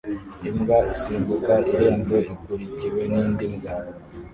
Imbwa isimbuka irembo ikurikiwe n'indi mbwa